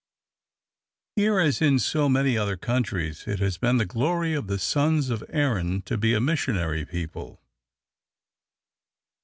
Here, as in so many other countries, it has been the glory of the sons of Erin to be a missionary people.